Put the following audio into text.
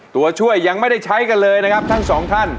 ตัวช่วยยังไม่ได้ใช้กันเลยนะครับทั้งสองท่าน